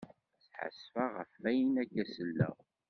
Sḥassfeɣ ɣef ayen akka selleɣ.